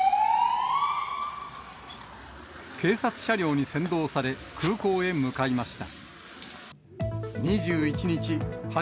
警察車両に先導され、空港へ向かいました。